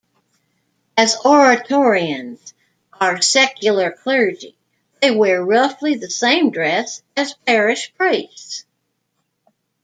As Oratorians are secular clergy, they wear roughly the same dress as parish priests.